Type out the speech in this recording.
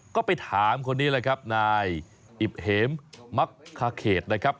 ก็ไปถามคนนี้เลยครับนายอิบเหมมักคาเขตนะครับ